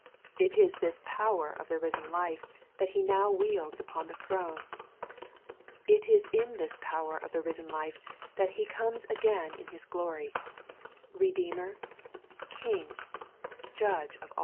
It is this power of the risen life that He now wields upon the throne. It is in this power of the risen life that He comes again in His glory; Eedeemer, King, Judge of aU.